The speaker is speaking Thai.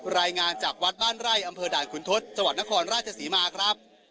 รายงานจากวัดบ้านไร่อำเภอด่านขุนทศจังหวัดนครราชศรีมาครับ